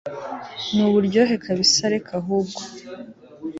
nuburyohe kabsa reka ahubwo